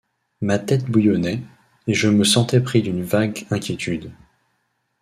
Ma tête bouillonnait, et je me sentais pris d’une vague inquiétude.